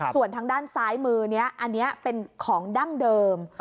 ส่วนทางด้านซ้ายมือนี้อันนี้เป็นของดั้งเดิม